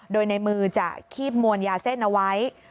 โดยในมือจะคีบมวลยาเส้นเอาไว้